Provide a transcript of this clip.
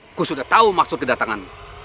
aku sudah tahu maksud kedatangan